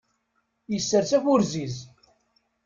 Yessers aburziz.